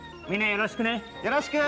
よろしく！